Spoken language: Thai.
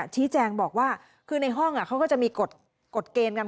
ชี้แจงบอกว่าคือในห้องเขาก็จะมีกฎเกณฑ์กัน